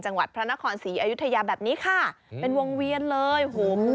จังหวัดพระนครศรีอยุธยาแบบนี้ค่ะเป็นวงเวียนเลยโอ้โห